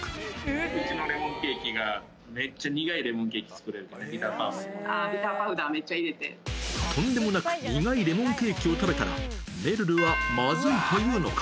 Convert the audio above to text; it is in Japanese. うちのレモンケーキが、めっちゃ苦いレモンケーキ作れるビターパウダー、めっちゃ入とんでもなく苦いレモンケーキを食べたら、めるるはまずいと言うのか？